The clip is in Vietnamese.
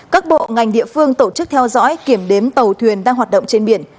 các bộ ngành địa phương tổ chức theo dõi kiểm đếm tàu thuyền đang hoạt động trên biển